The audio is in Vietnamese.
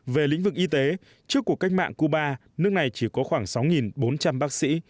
về lĩnh vực y tế trước cuộc cách mạng cuba nước này chỉ có khoảng sáu bốn trăm linh bác sĩ